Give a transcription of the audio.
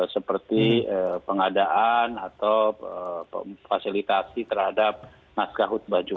seperti pengadaan atau fasilitasi terhadap naskah khutbah jumat